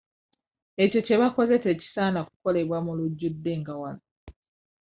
Ekyo kye baakoze tekisaana kukolera mu lujjudde nga wano.